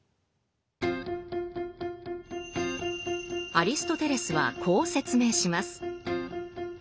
アリストテレスはこう説明します。